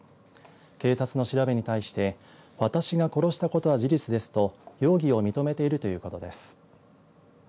警察の調べに対して私が殺したことは事実ですと容疑を認めているということです。